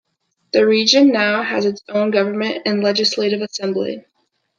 The region now has its own government and legislative assembly.